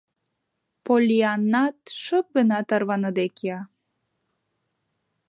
Поллианнат шып гына тарваныде кия.